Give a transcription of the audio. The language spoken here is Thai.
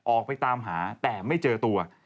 ออกไปตามหาแต่ไม่เจอตัว